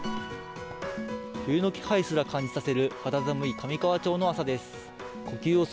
冬の気配すら感じさせる肌寒い上川町の朝です。